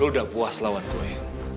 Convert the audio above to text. lu udah puas lawan gue